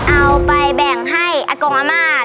เอาไปแบ่งให้กองอำมาตย์